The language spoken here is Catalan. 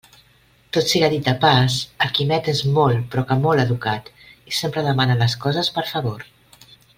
Tot siga dit de pas, el Quimet és molt però que molt educat, i sempre demana les coses per favor.